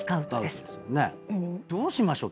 どうしましょう？